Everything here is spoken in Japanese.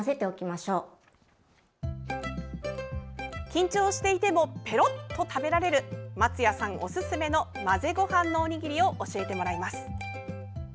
緊張していてもペロッと食べられる松谷さんおすすめの混ぜご飯のおにぎりを教えてもらいます。